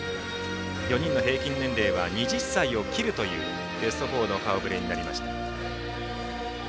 ４人の平均年齢は２０歳を切るというベスト４の顔ぶれになりました。